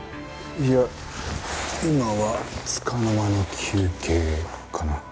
いや今はつかの間の休憩かな。